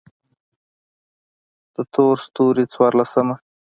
د تور ستوري څوارلسمه: